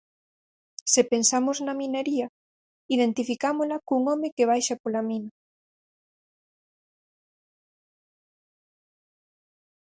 Se pensamos na minería, identificámola cun home que baixa pola mina.